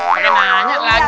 pengen nanya lagi